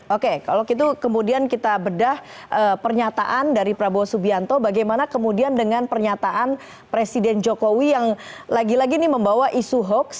oke kalau gitu kemudian kita bedah pernyataan dari prabowo subianto bagaimana kemudian dengan pernyataan presiden jokowi yang lagi lagi ini membawa isu hoax